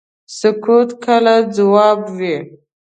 سکوت کله ځواب وي.